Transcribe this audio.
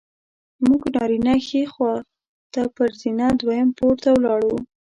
موږ نارینه ښي خوا ته پر زینه دویم پوړ ته ولاړو.